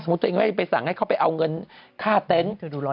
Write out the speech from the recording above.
ไม่ออกไปสั่งให้เขาเอาเงินฆ่าเต้น